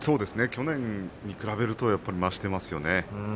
去年に比べると増していますね。